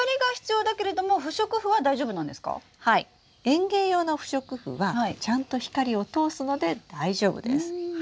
園芸用の不織布はちゃんと光を通すので大丈夫です。